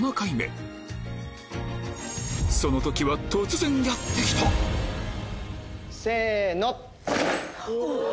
その時は突然やって来たせの。